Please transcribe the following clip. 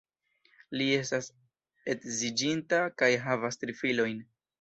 Li estas edziĝinta kaj havas tri filojn.